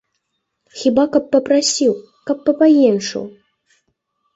Хіба каб папрасіў, каб папаенчыў!